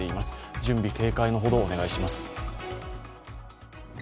準備、警戒のほどお願いします。